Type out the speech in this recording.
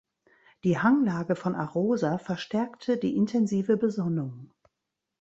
Die Hanglage von Arosa verstärkte die intensive Besonnung.